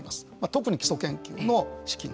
特に基礎研究の資金。